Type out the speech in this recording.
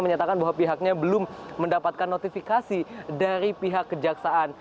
menyatakan bahwa pihaknya belum mendapatkan notifikasi dari pihak kejaksaan